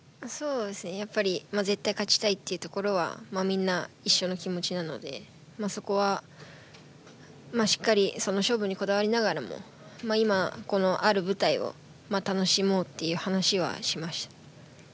絶対、勝ちたいっていうところはみんな一緒の気持ちなのでそこはしっかりその勝負にこだわりながらも今、ある舞台を楽しもうっていう話はしました。